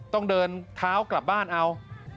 ต้องเดินเท้ากลับบ้านเอา